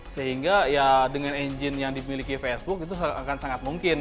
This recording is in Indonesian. sehingga ya dengan engine yang dimiliki facebook itu akan sangat mungkin